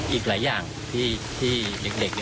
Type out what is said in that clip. อีกหลายอย่างที่เด็ก